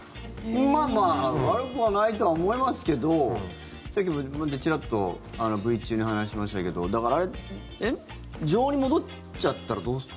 まあまあ悪くはないとは思いますけどさっきもちらっとＶ中に話しましたけどあれ、常温に戻っちゃったらどうする？